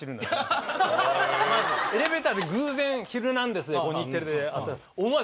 エレベーターで偶然『ヒルナンデス！』で日テレで会ったら思わず。